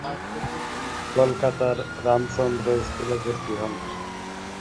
কলকাতার রামচন্দ্র স্কুলে ভর্তি হন।